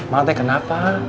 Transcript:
mak teh kenapa